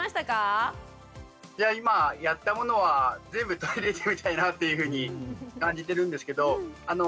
いや今やったものは全部取り入れてみたいなっていうふうに感じてるんですけど。